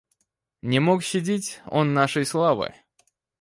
Не мог щадить он нашей славы